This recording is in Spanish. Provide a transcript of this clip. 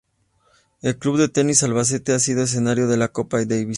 El Club de Tenis Albacete ha sido escenario de la Copa Davis.